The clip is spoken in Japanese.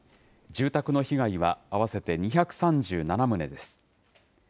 住宅の被害は合わせて２３７棟です。